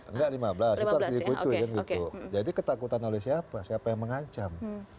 enggak lima belas itu harus diikuti kan gitu jadi ketakutan oleh siapa siapa yang mengancam